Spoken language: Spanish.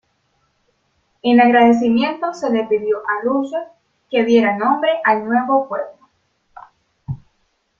En agradecimiento, se le pidió a Russell que le diera nombre al nuevo pueblo.